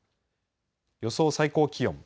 予想最高気温。